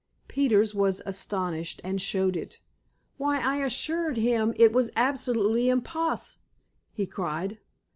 Peters was astonished, and showed it. "Why, I assured him it was absolutely imposs.," he cried.